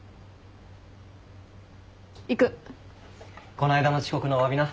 こないだの遅刻のおわびな。